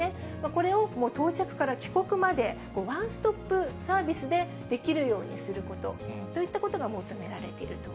これを到着から帰国までワンストップサービスでできるようにすること、といったことが求められていると。